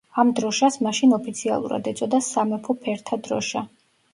ამ დროშას მაშინ ოფიციალურად ეწოდა „სამეფო ფერთა დროშა“.